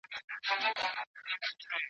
دا هيواد به آزاديږي !.